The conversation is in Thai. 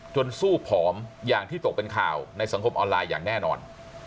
สู้ผอมอย่างที่ตกเป็นข่าวในสังคมออนไลน์อย่างแน่นอน